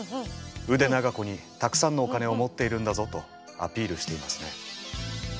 腕長子にたくさんのお金を持っているんだぞとアピールしていますね。